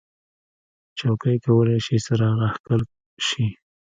چوکۍ کولی شي سره راښکل شي.